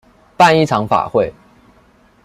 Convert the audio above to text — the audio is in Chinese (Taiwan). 辦一場法會